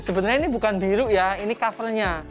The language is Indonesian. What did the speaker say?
sebenarnya ini bukan biru ya ini cover nya